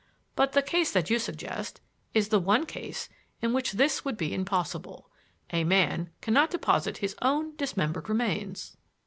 But the case that you suggest is the one case in which this would be impossible. A man cannot deposit his own dismembered remains."